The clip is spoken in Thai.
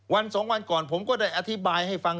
วันสองวันก่อนผมก็ได้อธิบายให้ฟัง